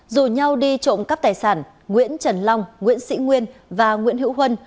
dù nhau đi trộm cắp tài sản nguyễn trần long nguyễn sĩ nguyên và nguyễn hữu huân